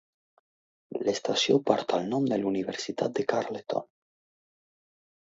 L'estació porta el nom de la Universitat de Carleton.